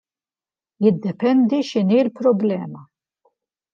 Jiddependi x'inhi l-problema.